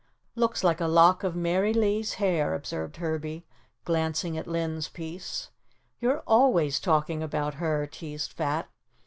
"Looks like a lock of Mary Lee's hair," observed Herbie, glancing at Linn's piece. "You're always talking about her," teased Fat.